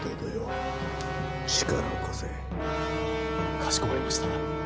かしこまりました。